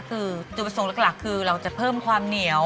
คือจุดประสงค์หลักคือเราจะเพิ่มความเหนียว